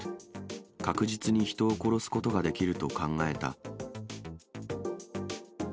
確実に人を殺すことができると考えた。